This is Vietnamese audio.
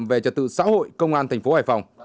về trật tự xã hội công an tp hải phòng